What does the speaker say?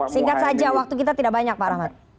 singkat saja waktu kita tidak banyak pak rahmat